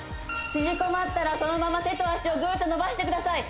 縮こまったらそのまま手と足をぐーっと伸ばしてください